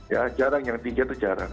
ya jarang yang tiga itu jarang